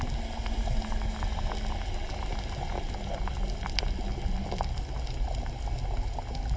สวัสดีครับสวัสดีครับ